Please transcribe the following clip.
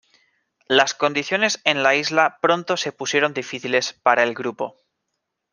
Las condiciones en la isla pronto se pusieron difíciles para el grupo.